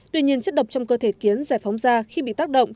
tuy nhiên chất độc trong cơ thể kiến giải phóng da khi bị tác động